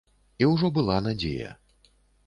І ўжо была надзея.